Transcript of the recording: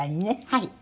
はい。